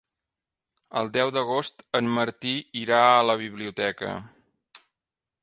El deu d'agost en Martí irà a la biblioteca.